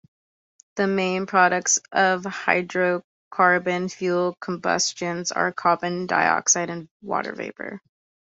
The main products of hydrocarbon fuel combustion are carbon dioxide and water vapor.